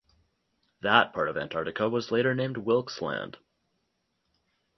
That part of Antarctica was later named Wilkes Land.